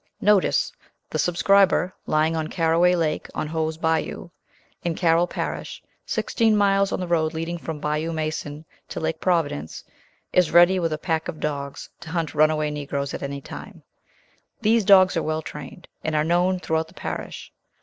"NOTICE. The subscriber, Lying on Carroway Lake, on Hoe's Bayou, in Carroll parish, sixteen miles on the road leading from Bayou Mason to Lake Providence, is ready with a pack of dogs to hunt runaway Negroes at any time. These dogs are well trained, and are known throughout the parish.